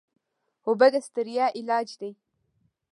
اوبه د ستړیا علاج دي.